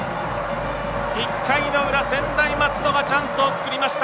１回の裏、専大松戸がチャンスを作りました。